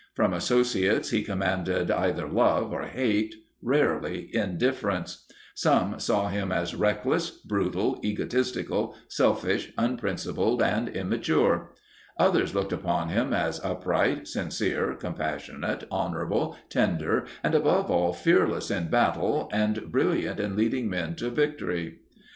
From associates he commanded either love or hate, rarely indifference. Some saw him as reckless, brutal, egotistical, selfish, unprincipled, and immature. Others looked upon him as upright, sincere, compassionate, honorable, tender, and above all fearless in battle and brilliant in leading men to victory.